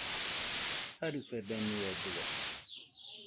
Jarɨfebemɨedɨo